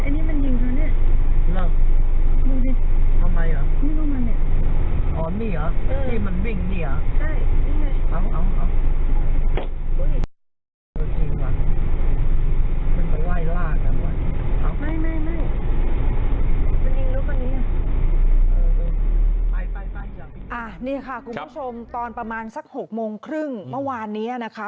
นี่ค่ะคุณผู้ชมตอนประมาณสัก๖โมงครึ่งเมื่อวานนี้นะคะ